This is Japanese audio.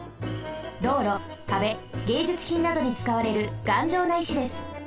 どうろかべげいじゅつひんなどにつかわれるがんじょうな石です。